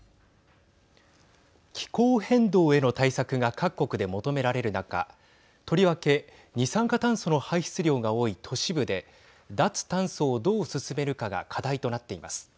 気候変動への対策が各国で求められる中とりわけ二酸化炭素の排出量が多い都市部で脱炭素をどう進めるかが課題となっています。